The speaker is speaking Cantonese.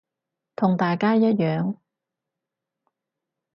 同大家一樣